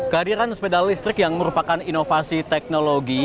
kehadiran sepeda listrik yang merupakan inovasi teknologi